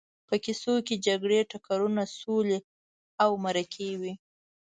په کیسو کې جګړې، ټکرونه، سولې او مرکې وي.